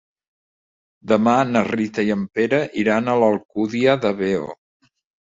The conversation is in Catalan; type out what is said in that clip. Demà na Rita i en Pere iran a l'Alcúdia de Veo.